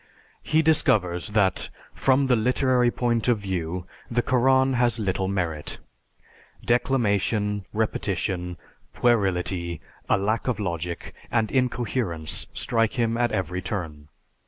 He discovers that "from the literary point of view, the Koran has little merit. Declamation, repetition, puerility, a lack of logic, and incoherence strike him at every turn.